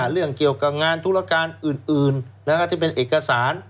เรื่องเกี่ยวกับงานธุรการอื่นที่เป็นเอกสาร